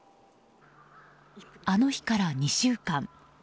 あの日から２週間。